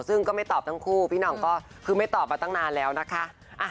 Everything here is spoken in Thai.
ซึ่งก็ไม่ตอบทั้งคู่พี่หน่องก็คือไม่ตอบมาตั้งนานแล้วนะคะ